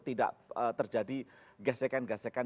tidak terjadi gesekan gesekan